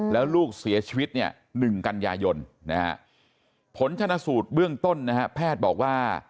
แล้วลูกเสียชีวิตเนี่ย๑กันยายนนะฮะผลชนะสูตรเบื้องต้นนะฮะแพทย์บอกว่า